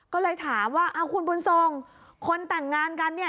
ก็เลยถามว่าเอาคุณบุญทรงคนแต่งงานกันเนี่ย